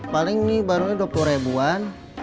paling ini barunya dua puluh ribuan